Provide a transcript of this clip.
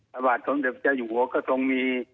พระบาทสมเด็จเจ้าอยู่หัวก็ทรงมี